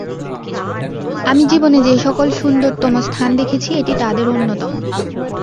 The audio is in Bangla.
আমি জীবনে যে-সকল সুন্দরতম স্থান দেখেছি, এটি তাদের অন্যতম।